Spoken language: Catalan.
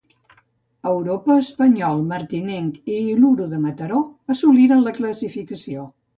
Europa, Espanyol, Martinenc i Iluro de Mataró assoliren la classificació.